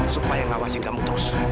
supaya ngawasin kamu terus